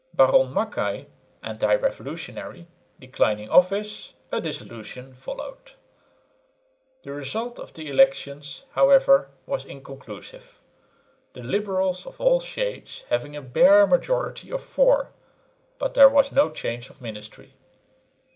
Baron Mackay (anti revolutionary) declining office, a dissolution followed. The result of the elections, however, was inconclusive, the liberals of all shades having a bare majority of four; but there was no change of ministry.